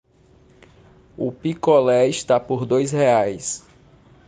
O picolé está por dois reais.